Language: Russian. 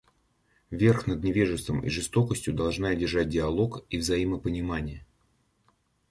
Верх над невежеством и жестокостью должны одержать диалог и взаимопонимание.